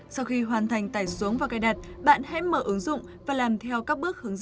sau khi hoàn thành tải xuống và cài đặt bạn hãy mở ứng dụng và làm theo các bước hướng dẫn